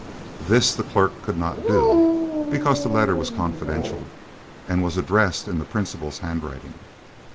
This the clerk could not do, because the letter was confidential and was addressed in the principal's handwriting.